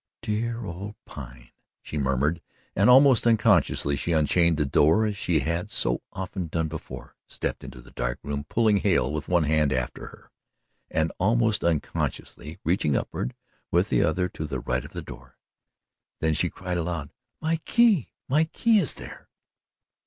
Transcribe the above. "Dear old Pine," she murmured, and almost unconsciously she unchained the door as she had so often done before, stepped into the dark room, pulling Hale with one hand after her, and almost unconsciously reaching upward with the other to the right of the door. Then she cried aloud: "My key my key is there!"